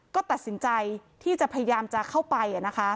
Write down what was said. ก็ตัดสินใจที่จะพยายามจะเข้าไป